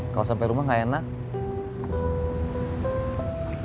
kalau sampai rumah gak enak